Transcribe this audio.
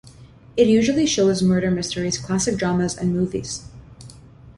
It usually shows murder mysteries, classic dramas and movies.